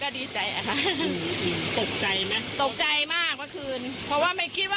ดีใจไม่ได้ออกมากว่านี้นะ